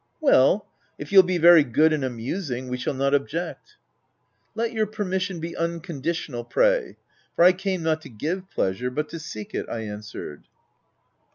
" Well, if you'll be very good and amusing, we shan't object." " Let your permission be unconditional, pray; for I came not to give pleasure, but to seek it," I answered.